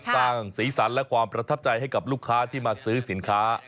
สร้างสีสันและความประทับใจให้กับลูกค้าที่มาซื้อสินค้า